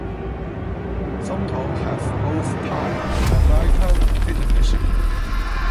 Somtow has both Thai and American citizenship.